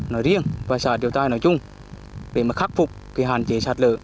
nói riêng và xã triệu tài nói chung để mà khắc phục hạn chế sạt lở